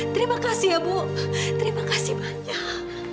terima kasih ya bu terima kasih banyak